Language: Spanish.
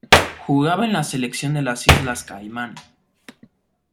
Jugaba en la selección de las Islas Caimán.